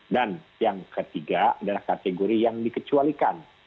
dan yang ketiga adalah kategori yang dikecualikan